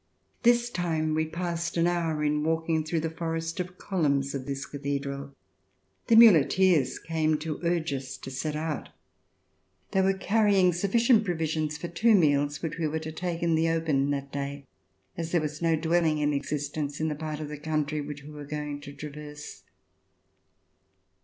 This time we passed an hour in walking through the forest of columns of this cathedral. The muleteers came to urge us to set out. They were carrying sufficient provisions for two meals which we were to take in the open that day, as there was no dwelling in existence in the part of the country which we were going to traverse.